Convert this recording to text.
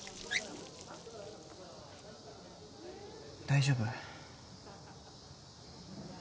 大丈夫？